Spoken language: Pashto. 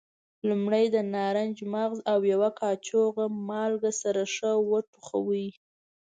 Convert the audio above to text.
لومړی د نارنج مغز او یوه کاشوغه مالګه سره ښه وخوټوئ.